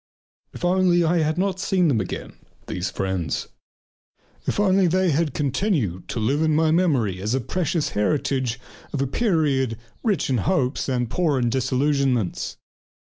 If only I had not seen them again, these friends! If only they could have continued to live in my memory as a precious heritage from a period that was rich in hopes and poor in disillusionments.